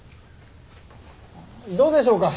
どうでしょうか。